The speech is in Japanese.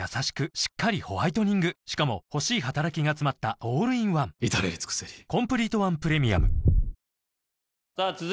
しっかりホワイトニングしかも欲しい働きがつまったオールインワン至れり尽せりさあ続いて。